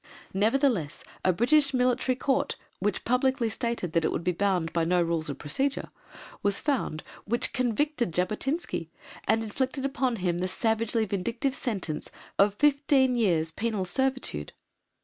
Nevertheless, a British Military Court, which publicly stated that it would be bound by no rules of procedure, was found, which convicted Jabotinsky, and inflicted upon him the savagely vindictive sentence of FIFTEEN YEARS' PENAL SERVITUDE!